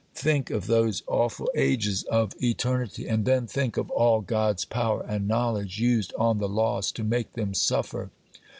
think of those awful ages of eternity! and then think of all God's power and knowledge used on the lost to make them suffer!